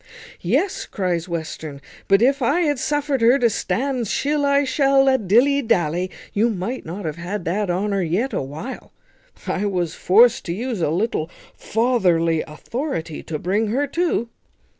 "Yes," cries Western, "but if I had suffered her to stand shill I shall I, dilly dally, you might not have had that honour yet a while; I was forced to use a little fatherly authority to bring her to."